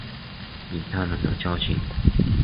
以他们的交情